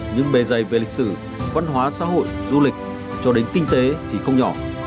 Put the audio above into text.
nhưng bề dày về lịch sử văn hóa xã hội du lịch cho đến kinh tế thì không nhỏ